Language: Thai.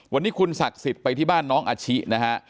วันนี้คุณศักดิ์สิทธิ์ไปที่บ้านน้องอาชินะฮะ